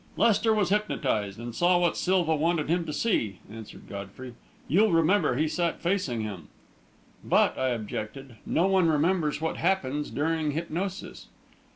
"Lester was hypnotised and saw what Silva willed him to see," answered Godfrey. "You'll remember he sat facing him." "But," I objected, "no one remembers what happens during hypnosis."